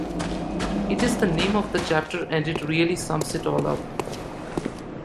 It is the name of the chapter and it really sums it all up.